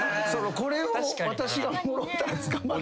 これを私がもろうたら捕まるんか？